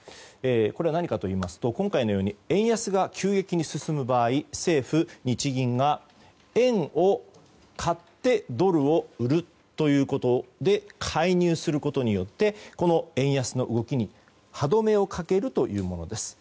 これは何かといいますと今回のように円安が急激に進む場合、政府・日銀が円を買ってドルを売るということで介入することによってこの円安の動きに歯止めをかけるというものです。